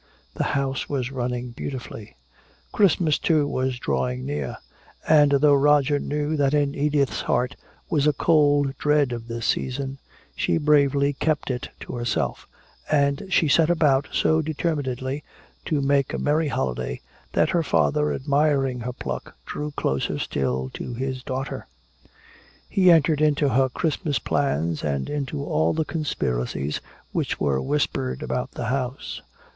The house was running beautifully. Christmas, too, was drawing near. And though Roger knew that in Edith's heart was a cold dread of this season, she bravely kept it to herself; and she set about so determinedly to make a merry holiday, that her father admiring her pluck drew closer still to his daughter. He entered into her Christmas plans and into all the conspiracies which were whispered about the house.